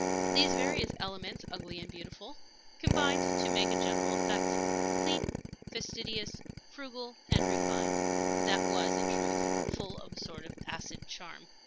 These various elements, ugly and beautiful, combined to make a general effect clean, fastidious, frugal, and refined that was, in truth, full of a sort of acid charm.